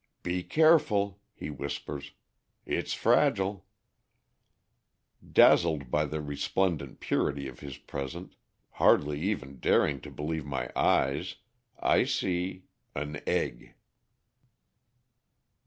"Be careful!" he whispers, "it's fragile!" Dazzled by the resplendent purity of his present, hardly even daring to believe my eyes, I see an egg!